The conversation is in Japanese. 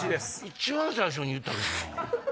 一番最初に言ったけどな。